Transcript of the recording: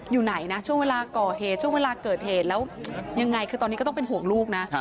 ลูกสาวอยู่ไหนช่วงเวลาเกิดเหตุตอนนี้ก็ต้องเป็น๖ลูกนะ